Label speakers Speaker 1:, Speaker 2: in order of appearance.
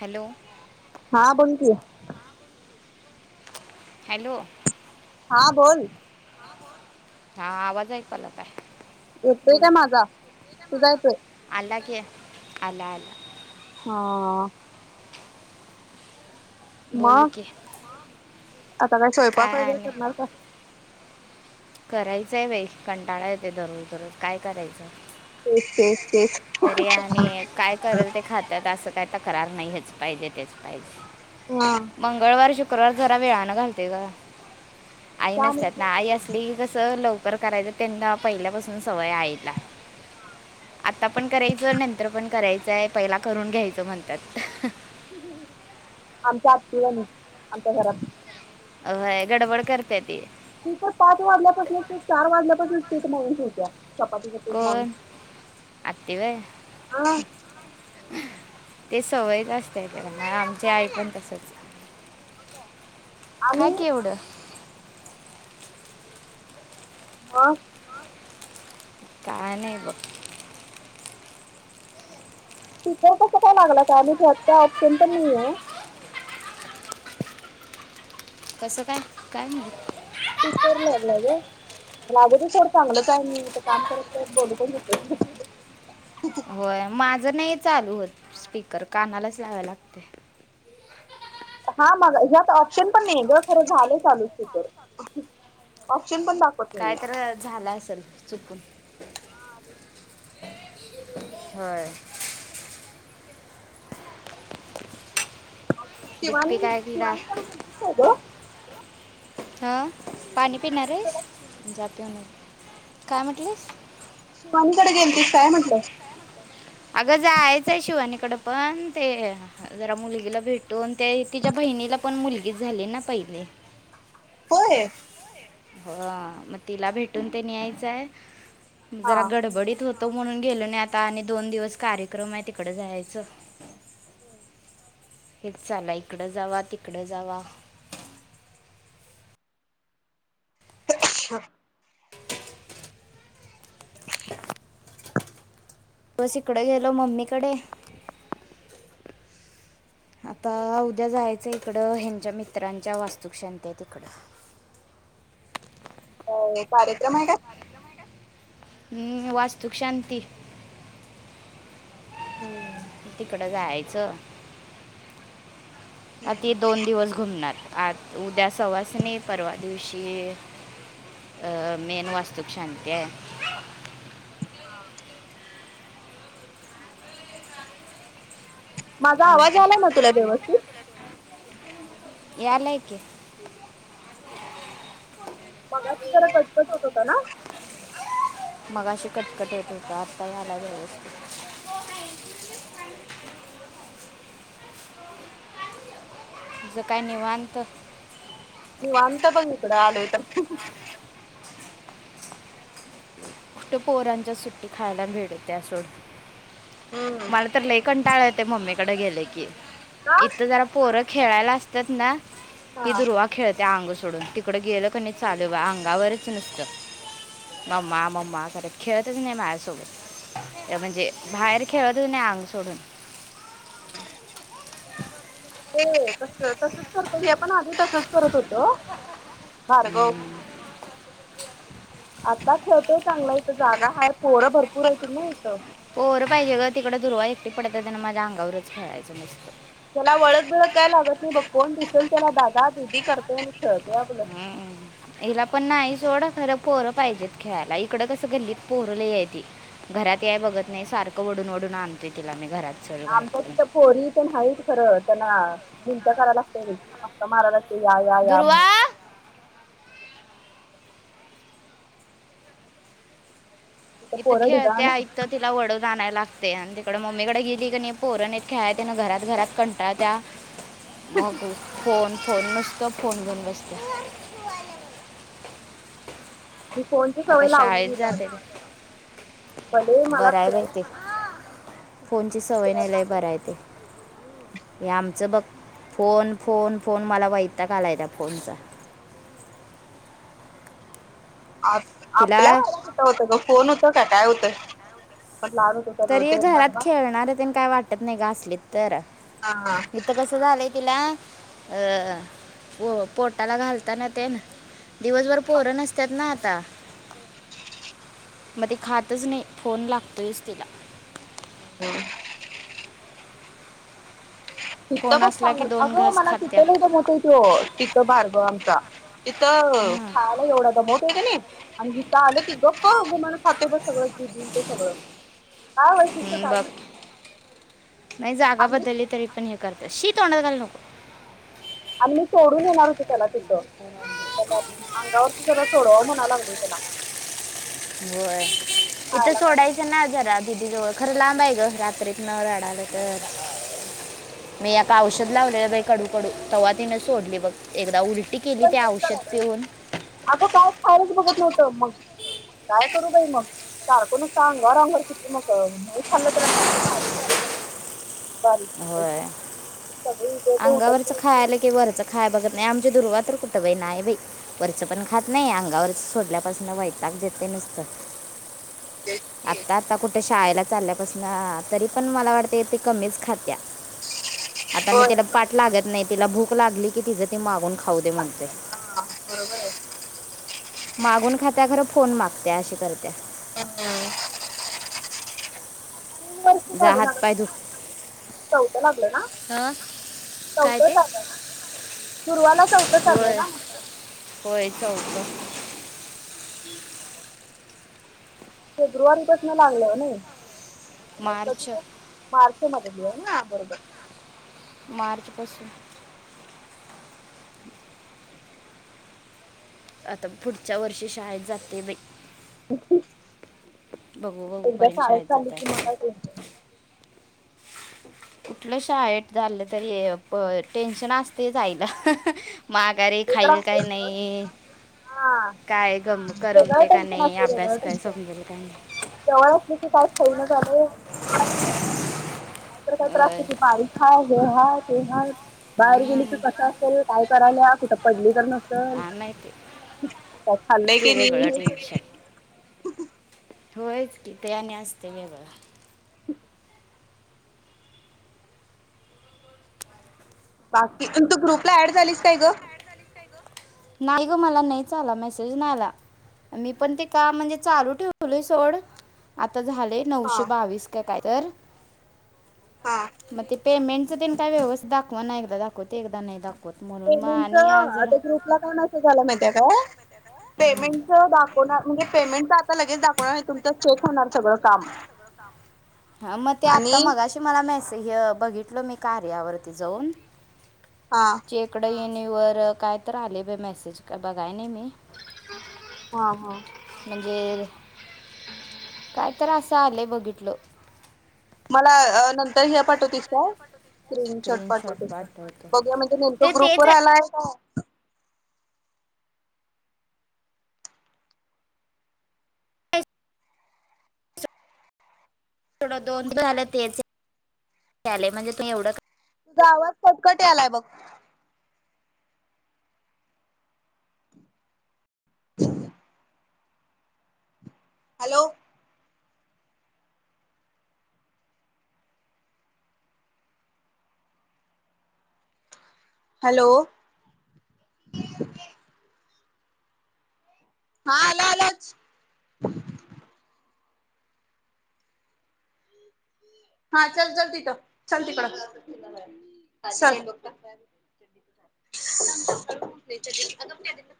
Speaker 1: Hello
Speaker 2: हा बोल की
Speaker 1: हॅलो
Speaker 2: हां बोल
Speaker 1: हा आवाज ऐकू आला काय
Speaker 2: येतोय
Speaker 1: बोल
Speaker 2: का माझा तुझा येतोय
Speaker 1: आला घेत की आला आला
Speaker 2: हा
Speaker 1: बोल
Speaker 2: मग
Speaker 1: विकी
Speaker 2: आता काय स्वयंपाक वगैरे करणारं कां
Speaker 1: करायचंय बाई कंटाळा येते दररोज दररोज काय करायचं
Speaker 2: तेच तेच तेच
Speaker 1: तरी आम्हीं काय कराल ते खातात असं काय तक्रार नाहीं हेंच पाहिजे तेचं
Speaker 2: हा
Speaker 1: पाहिजे मंगळवारी शुक्रवार जरा वेळानं घालतोय ग आई
Speaker 2: का
Speaker 1: नसतात ना आई असते
Speaker 2: म्हणते
Speaker 1: कसं लवकर करायचं त्यांनां पहिल्यापासून सवय आईला आता पणं करायचं नंतर पणं करायचंय पहिला करून घ्यायचं म्हणतात
Speaker 2: आमच्या आत्ती आली आमच्या घरांत
Speaker 1: होय गडबड
Speaker 2: तर
Speaker 1: करते ती
Speaker 2: दूपार पांच वाजल्यापासूनच ते चार वाजल्यापासूनच पिठ हळूत ठेवतात चपातीचा पीठ मळून
Speaker 1: कोण आत्तीवर
Speaker 2: हा
Speaker 1: ते सवयीचं असतय त्यांना आमच्या आई पणं तसाच-
Speaker 2: आणि ब
Speaker 1: काय नाहीं बघ
Speaker 2: टीचर कसं काय लागला का म्हणजे आत्ता ऑप्शन्स पणं नाहीं आहेंत न
Speaker 1: कसं काय काय
Speaker 2: त सू लागला ग [unintelligible] मंग लाघुदे थोडं चांगलं काय म कामं करत बोलू पणं शकतेस नां
Speaker 1: होय, माझं नाहीं चालूं होतं स्पीकर कानालाच लावय लागतंय
Speaker 2: हा मग ह्यात ऑप्शन पण नाही ग खरं झालं चालू स्पीकर ऑप्शन पण दाखवत
Speaker 1: काय
Speaker 2: नाहीये
Speaker 1: तर झालं असेल चुकून होा [unintelligible] दिप्पी
Speaker 2: शिवानी
Speaker 1: काय किडा
Speaker 2: शिवानीकडे गेलतीस काय ग
Speaker 1: हा पाणी पिणार आहेस
Speaker 2: शिवानीकडे
Speaker 1: जा पिऊण ये जा काय म्हटलीस
Speaker 2: शिवानीकडे गेल तस काय म्हंटलं
Speaker 1: अगं जायाचय शिवानिकड पण ते जरा मुलगीला भेटून ते तिच्या बहिणीला पण मुलगीच झाली ना पहिले
Speaker 2: ह [inaudible]
Speaker 1: ह मग तिला भेटून ते न्यायचंय
Speaker 2: हा
Speaker 1: जरा गडबडीत होत तो म्हणून गेलो नाही आता आणि दोन दिवस कार्यक्रम आहे तिकड जायचं
Speaker 2: हम् [unintelligible]
Speaker 1: हेच चाला इकडं जावा तिकडं जावा
Speaker 2: अा [unintelligible]
Speaker 1: बस इकडे गेलो मम्मीकडे आता उद्या जायचंय तिकडं ह्यांच्या मित्रांच्या वास्तुकशान्ति तिकडं
Speaker 2: अ कार्यक्रम आहे काय
Speaker 1: वास्तूक शांती
Speaker 2: हम्म
Speaker 1: तिकडं जायचं आ ते दोन दिवस घुमणार आत उद्या सवासनी नाही परवा दिवशी मेन वास्तुक शांती आहे
Speaker 2: हा माझा आवाजयालाय ना तुला व्यवस्थित
Speaker 1: यालाय की
Speaker 2: मगाशी जरा कटकट होत होता ना
Speaker 1: मगा शी कटकट येत होता आता यालाय व्यवस्थित तुझं काय निवांत
Speaker 2: निवांत बघ हिकडं आलोय तर
Speaker 1: कुठं पोहरांच्या सुट्टी खायला भेड होत्या सोड
Speaker 2: हम्म.
Speaker 1: मला तर लईकंटाळ येतोय मम्मीकडे गेले की इथं जरा पोर खेळायला असतात ना ही
Speaker 2: हा
Speaker 1: दुर्वा खेळते अंगोष सोडून तिकड गेलं क चालूच बघ बाई अंगावरच नसत मम्मा मम्मा खर खेळतच नाही माझ्यासोबत म्हणजे बाहेर खेळत नाही अंग सोडून
Speaker 2: ते कस तसच करतो हे आपण आधी तसच करत होतो भर खाऊ आता ठेवतोय चांगला इथ जागा हाय पोरं भरपूर हायत ना इथं
Speaker 1: पोरं पाहिजे ग तिकडे दुर्वा एकटी पड ते त्यांना माझ्या अंगावरच खेळायचं मसत
Speaker 2: त्याला वळदक बिळ क काय लागत नाही बघ कोण दिसेल त्याला दादा दिदी करतेय
Speaker 1: हम्मम हिला पण नाही सोड खरं पोरं पाहिजेत खेळायला इकडं कसं गल्लीत पोर लय हायती घरात याय बघत नाही सारखं ओढून आणतो तिला मी घरात चल घरात
Speaker 2: आमच्या
Speaker 1: चल.
Speaker 2: तिथं पोरी तेन हायत खरं त्यांना मिणत्या करायला लागत्यात मस्का मारायलागत याय या म
Speaker 1: दुर्वा
Speaker 2: तिथं
Speaker 1: इथ
Speaker 2: पोरं
Speaker 1: खेळते
Speaker 2: ढिगाण हाईत
Speaker 1: ऐत तिला वडव आणायलागतेय आणि तिकडे मम्मीकडे गेली की नाही पोर तेन खेळा त्यां ना घरात घरात कंटाळ त्या भा फोन फोन नसत फोन घेऊन बसत
Speaker 2: मी फोनची सवय लावली
Speaker 1: शाळेत
Speaker 2: नाही रे
Speaker 1: जाते
Speaker 2: आजिबात
Speaker 1: ते.
Speaker 2: ह्याला भलेही मला
Speaker 1: बरं आहे बाई
Speaker 2: फिरायची
Speaker 1: ते
Speaker 2: - -
Speaker 1: फोनची सवय नाय लय बरायं ते
Speaker 2: दे
Speaker 1: हे आमचं बघ. फोन फोन फोन मला वैताग आलाय त्या फोन चा.
Speaker 2: आपल्या आपल्या
Speaker 1: तिला
Speaker 2: वेळी कुठं होतं गं फोन होत का काय होतं. पण लहान होतो तर
Speaker 1: तरी ये
Speaker 2: ते
Speaker 1: घरात
Speaker 2: डब्बा
Speaker 1: खेळणार तेन काय वाटत नाही गं असलीत तर.
Speaker 2: हा
Speaker 1: ही थ कस झालयं तिला? अह हो पो पोटाला घालताना तेन. दिवसभर पोरं नसतात ना आता.
Speaker 2: [unintelligible]
Speaker 1: मग ते खातच नाही फोन लागतोयच तिला.
Speaker 2: [unintelligible] तिथं
Speaker 1: फोन
Speaker 2: बघ
Speaker 1: असला
Speaker 2: चांग
Speaker 1: की दोन
Speaker 2: अगं
Speaker 1: घास
Speaker 2: मला
Speaker 1: खात्या
Speaker 2: तिथं लय दमवतोय तो तिथं भारगव आमचा तिथं
Speaker 1: हं.
Speaker 2: खायला एवढा दमवतोय कि नाही आणि इथं आलं की गप गुमान खातोय, बघ सगळं जे दिल ते सगळं. हा होय
Speaker 1: हं,
Speaker 2: ते
Speaker 1: बघ
Speaker 2: [unintelligible]
Speaker 1: नाही जागा बदलली तरी पण हे करत्यात, शी तोंडात घालू नको.
Speaker 2: आणि मी सोडून येणार होतो त्याला तिथं. अंगावरचं सगळं सोडवाव म्हणाय लागलोय त्याला.
Speaker 1: होय, इथं
Speaker 2: खायला काय
Speaker 1: सोडायचं
Speaker 2: बघत
Speaker 1: ना जरा. दिदी जवळ खरं लांब आहे, गं रात्रीतन रडालं तर. मी एका औषध लावलेलं बाइ कडू कडू तेव्हा तीन सोडली बघ एकदा उलट
Speaker 2: मी पण तेच करालोय अगं काय खायालाचं बघत नव्हतं, मग काय करू बाई मग? सारख नुसता अंगावर अंगावर किती मग नाही खाल्लं तर आता ते किती बारीक झालंय बघं.
Speaker 1: होय.
Speaker 2: सगळी इथे ते उठल
Speaker 1: अंगावरच
Speaker 2: ते
Speaker 1: खायालं कि वरचं खाया बघत - - आणि आमची दुर्वाातर कुठं बाई नाही बाई वरचं पण खात नाही. अंगावरच सोडल्यापासून वैताग देतयं नु स्त.
Speaker 2: [inaudible] की
Speaker 1: आता आता कुठ शाळेला चालल्यापासून तरी पण मला वाटतयं ती कमीच खात्या. आता मी
Speaker 2: होय
Speaker 1: तिला पाठ लागत नाही. तिला भूक लागली की तिच ती मागून खाऊ दे म्हनतोय.
Speaker 2: हा बरोबर आहे
Speaker 1: मागून खात्या खरं फोन मागत्या अशी करत्या.
Speaker 2: हम [inaudible] तीन वर्ष
Speaker 1: जा
Speaker 2: झालं
Speaker 1: हात
Speaker 2: ना गं
Speaker 1: पाय धु
Speaker 2: तिला. चौथ लागलं ना?
Speaker 1: काय
Speaker 2: चौथं
Speaker 1: ते
Speaker 2: चालु हाय ना. दुर्वाला चौथं
Speaker 1: होय
Speaker 2: चालुहायना म्हंटलं.
Speaker 1: होय चौथं.
Speaker 2: फेब्रुवारीपासून लागलं नाही कधी
Speaker 1: मार्च
Speaker 2: ग? मार्च. मध्ये आहे ना बरोबर.
Speaker 1: मार्च पासुन. आता पुढच्या वर्षी शाळेत जाते बाई. बघू बघू
Speaker 2: एकदा
Speaker 1: पर्यंत
Speaker 2: शाळेत चाली
Speaker 1: जाते
Speaker 2: की मग
Speaker 1: आता.
Speaker 2: काय टेन्शन नाही.
Speaker 1: कुठलं शाळेत चालं तरी प टेन्शन असतयंच आईला. माघारी
Speaker 2: ते तर
Speaker 1: खाईल काय
Speaker 2: असतंच सोड
Speaker 1: नाही.
Speaker 2: हा
Speaker 1: काय गम
Speaker 2: वेगळं
Speaker 1: करमतयं काय
Speaker 2: टेन्शन
Speaker 1: नाही.
Speaker 2: असतंय वेगळं
Speaker 1: अभ्यास काय
Speaker 2: टेन्शन
Speaker 1: समजल काय नाही.
Speaker 2: जवळ असली की काय खैना झालंय.
Speaker 1: [inaudible]
Speaker 2: कायतर कायतर
Speaker 1: होय.
Speaker 2: असतयं की बाईक हाय हे हाय ते हाय. बाहेर गेली तर
Speaker 1: हम्म.
Speaker 2: कसं असेल? काय कराल्या? कुठं पडली तर नसल.
Speaker 1: हा, नाही ते-
Speaker 2: काय खाले
Speaker 1: ते
Speaker 2: कि
Speaker 1: वेगळं
Speaker 2: नाही?
Speaker 1: टेन्शन होयच कि ते आणि असतंय वेगळंच.
Speaker 2: बाकी प तू ग्रुपला ऍड झालीस काय ग.
Speaker 1: नाही ग मला नाही च आला मेसेज नाय आला. मी पण ते काम म्हणजे चालू ठेवलय सोड आ झाले नऊशे बावीस का काय तर
Speaker 2: हा
Speaker 1: म ते पेमेंटचं त्यांनी काय व्यवस्थ दाखवा ना एकदा दाखवते ते एकदा नाही दाख
Speaker 2: पेमेंटच त्या ग्रुपला काय मेसेज आला माहिते का?
Speaker 1: हं.
Speaker 2: पेमेंटच दाख व म्हणजे पेमेंट आता लगेच दाखवणार नाही तुमच चेक होणार सगळं काम.
Speaker 1: हा मग ते आता
Speaker 2: आणि
Speaker 1: मगाशी मला मेसे बघितल मी कार्या वरती जाऊन.
Speaker 2: हा
Speaker 1: चेकड ईन व काय तर आलेय बाई मेसेज काय बघाय नाही मी.
Speaker 2: हा हा.
Speaker 1: म्हणजे काय तर असं आलंय बघितल.
Speaker 2: मला नंतर ह्या पाठवतीस काय? स्क्रीनशॉट पाठवते का? घूया म्हणजे
Speaker 1: ते
Speaker 2: नेमकं ग्रुप
Speaker 1: तेच
Speaker 2: वर आलाय का?
Speaker 1: आहे थोड दोन दिवस झालं तेच आले म्हणजे तू एवढं
Speaker 2: तुझा आवाज कटकट यालाय बघ. हॅलो. हॅलो. हा आले आलेच. हा चल चल तीथ चल तीकड चल. तककटक [unintelligible]